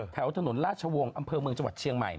แถวถนนราชวงศ์อำเภอเมืองจังหวัดเชียงใหม่